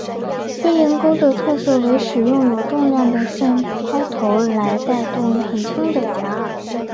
飞蝇钓的特色为使用有重量的线抛投来带动很轻的假饵。